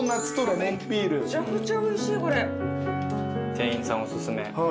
店員さんおすすめ。